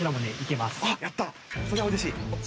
それはうれしい。